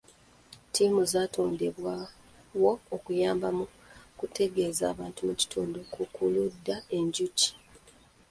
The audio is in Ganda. Ttiimu zaatondebwawo okuyamba mu kutegeeza abantu mu kitundu ku kulunda enjuki.